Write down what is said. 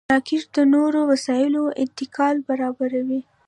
راکټ د نورو وسایلو انتقال برابروي